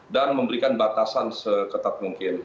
dan memberikan batasan seketat mungkin